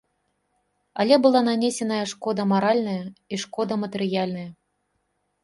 Але была нанесеная шкода маральная і шкода матэрыяльная.